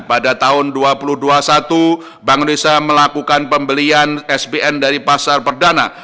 pada tahun dua ribu dua puluh satu bank indonesia melakukan pembelian sbn dari pasar perdana